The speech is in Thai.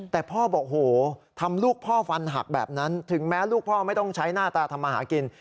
แต่พ่อบอกโหทำลูกพ่อฟันหักแบบนั้นถึงแม้ลูกพ่อไม่ต้องใช้หน้าตาทำมาหากิน